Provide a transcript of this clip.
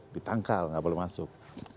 ditangkal gak boleh masuk